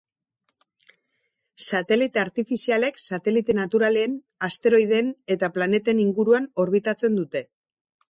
Satelite artifizialek satelite naturalen, asteroideen eta planeten inguruan orbitatzen dute.